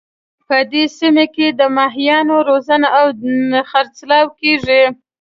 په دې سیمه کې د ماهیانو روزنه او خرڅلاو کیږي